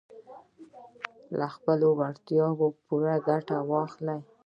له خپلو وړتیاوو پوره ګټه واخلئ.